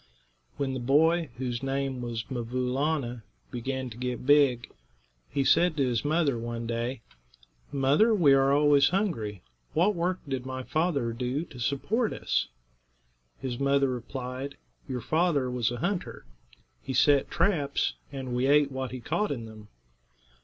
When the boy, whose name was 'Mvoo' Laa'na, began to get big, he said to his mother, one day: "Mother, we are always hungry. What work did my father do to support us?" His mother replied: "Your father was a hunter. He set traps, and we ate what he caught in them."